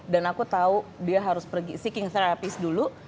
dan aku tau dia harus pergi seeking terapis dulu